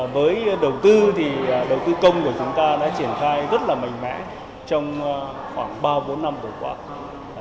với đầu tư thì đầu tư công của chúng ta đã triển khai rất là mạnh mẽ trong khoảng ba bốn năm vừa qua